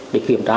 để kiểm tra